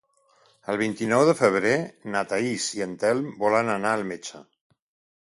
El vint-i-nou de febrer na Thaís i en Telm volen anar al metge.